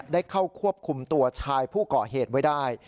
ได้เข้าควบคุมตัวชายผู้ก่อเหตุไว้ได้